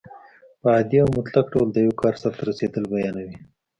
په عادي او مطلق ډول د یو کار سرته رسېدل بیانیوي.